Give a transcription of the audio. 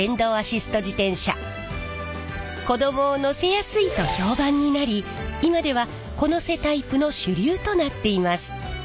子どもを乗せやすいと評判になり今では子乗せタイプの主流となっています。